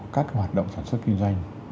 các hoạt động sản xuất kinh doanh